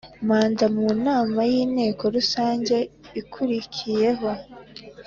manda mu nama y Inteko rusange ikurikiyeho